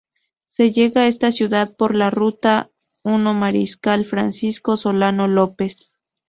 Se llega a esta ciudad por la ruta I Mariscal Francisco Solano López.